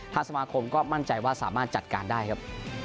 สมาคมก็มั่นใจว่าสามารถจัดการได้ครับ